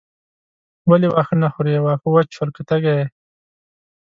ولې واښه نه خورې واښه وچ شول که تږې یې.